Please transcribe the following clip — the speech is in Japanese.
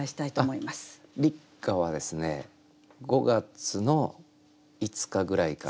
立夏はですね５月の５日ぐらいから。